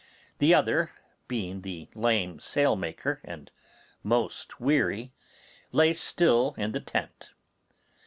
The other, being the lame sailmaker and most weary, lay still in the tent.